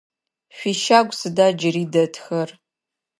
Шъуищагу сыда джыри дэтхэр?